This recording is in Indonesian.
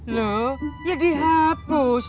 lho ya dihapus